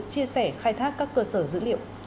chúng tôi sẽ chia sẻ khai thác các cơ sở dữ liệu